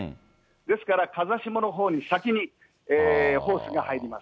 ですから、風下のほうに先にホースが入ります。